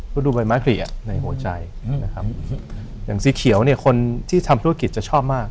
ก็ดูใบม้าขรีในหัวใจนะครับอย่างสีเขียวคนที่ทำธุรกิจจะชอบมาก